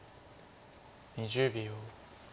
２０秒。